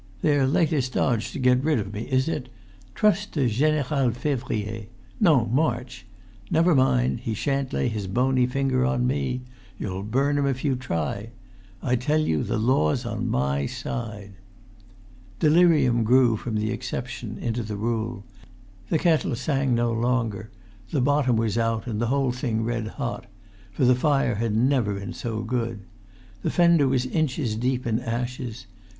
"Their latest dodge to get rid of me, is it? Trust to Général Février—no, March! Never mind; he shan't lay his bony finger on me ... You'll burn 'em if you try! ... I tell you the law's on my side." Delirium grew from the exception into the rule. The kettle sang no longer; the bottom was out and the whole thing red hot; for the fire had never been so good. The fender was inches deep in ashes.